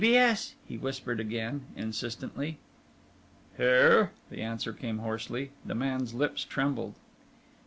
"T. B. S.," he whispered again, insistently. "Here?" the answer came hoarsely. The man's lips trembled.